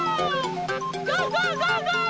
ゴーゴーゴーゴー！